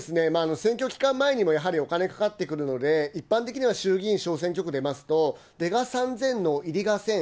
選挙期間前にもやはりお金かかってくるので、一般的には衆議院小選挙区出ますと、出が３０００の入りが１０００。